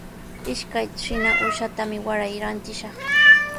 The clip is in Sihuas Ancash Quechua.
Ishkay trina uushatami waray rantishaq.